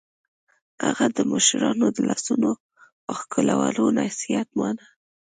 هغه د مشرانو د لاسونو ښکلولو نصیحت مانه